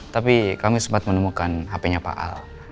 tapi kami sempat menemukan hp nya pak al